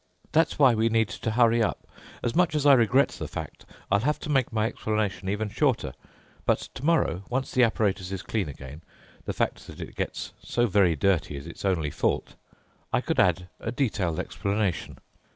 "That's why we need to hurry up. As much as I regret the fact, I'll have to make my explanation even shorter. But tomorrow, once the apparatus is clean again—the fact that it gets so very dirty is its only fault—I could add a detailed explanation.